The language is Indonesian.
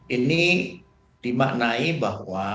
ini dimaknai bahwa